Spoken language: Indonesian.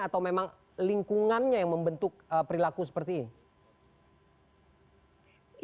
atau memang lingkungannya yang membentuk perilaku seperti ini